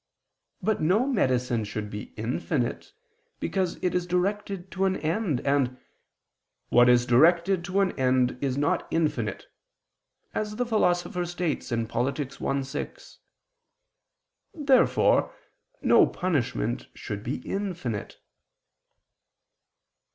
But no medicine should be infinite, because it is directed to an end, and "what is directed to an end, is not infinite," as the Philosopher states (Polit. i, 6). Therefore no punishment should be infinite.